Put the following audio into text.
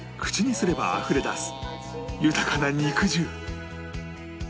口にすればあふれ出す豊かな肉汁